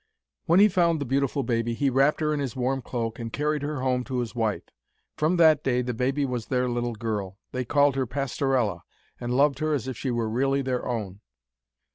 When he found the beautiful baby, he wrapped her in his warm cloak and carried her home to his wife. From that day the baby was their little girl. They called her Pastorella, and loved her as if she were really their own.